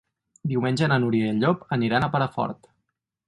Diumenge na Núria i en Llop aniran a Perafort.